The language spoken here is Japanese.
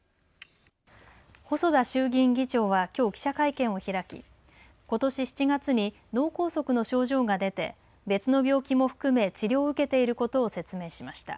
細田衆議院議長はきょう記者会見を開きことし７月に脳梗塞の症状が出て別の病気も含め治療を受けていることを説明しました。